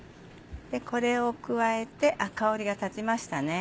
これを加えて香りが立ちましたね。